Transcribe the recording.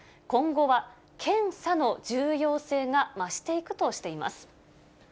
今後は検査の重要性が増していくとしています。